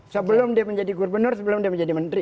sebelum dia menjadi gubernur sebelum dia menjadi menteri